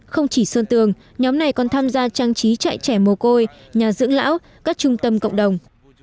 không chỉ sơn tường nhóm này còn tham gia trang trí chạy trẻ mồ côi nhà dưỡng lão các trung tâm cộng đồng